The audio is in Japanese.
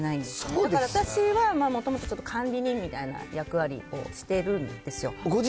だから私は、もともとちょっと管理人みたいな役割をしてるんですよ。